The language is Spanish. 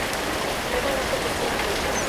Beda no proporciona fechas.